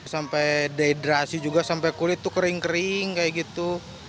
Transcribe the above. sampai dehidrasi juga sampai kulit tuh kering kering kayak gitu